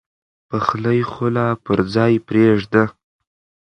پخلی خو لا پر ځای پرېږده.